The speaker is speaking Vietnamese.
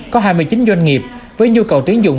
có hai mươi chín doanh nghiệp với nhu cầu tuyến dụng